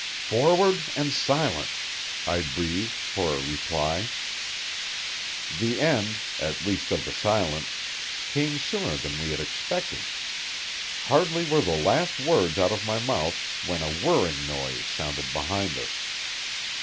"Forward, and silence!" I breathed for a reply. The end at least, of the silence came sooner than we had expected. Hardly were the last words out of my mouth when a whirring noise sounded behind us.